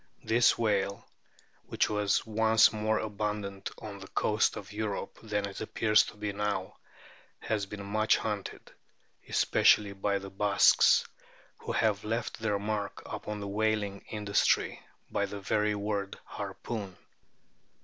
This whale, which was once more abundant on the coasts of Europe than it appears to be now, has been much hunted, especially by the Basques, who have left their mark upon the whaling industry by the very word harpoon.